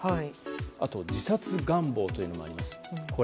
あと、自殺願望というのもあります。